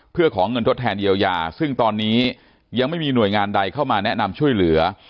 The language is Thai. เพื่อขอเงินทดแทนเยียวยาซึ่งตอนนี้ยังไม่มีหน่วยงานใดเข้ามาแนะนำช่วยเหลือ